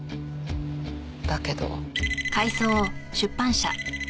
だけど。